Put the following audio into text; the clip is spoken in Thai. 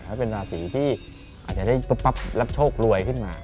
ให้เป็นราศีที่อาจจะได้รับโชครวยขึ้นมา